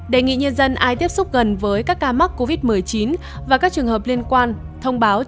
đề nghị nhân dân ai tiếp xúc gần với các ca mắc covid một mươi chín và các trường hợp liên quan thông báo